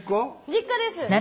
実家です。